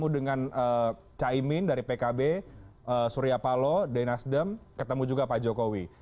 dengan caimin dari pkb surya palo dena sdem ketemu juga pak jokowi